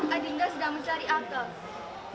adiknya sedang mencari akal